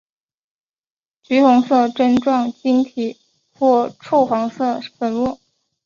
橘红色针状晶体或赭黄色粉末。